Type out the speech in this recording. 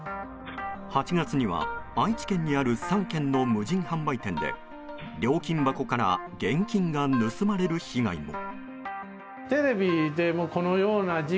８月には、愛知県内にある３軒の無人販売店で料金箱から現金が盗まれる被害も。